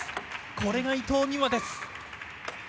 これが伊藤美誠です。